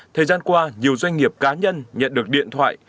thời gian qua nhiều doanh nghiệp cá nhân nhận được điện thoại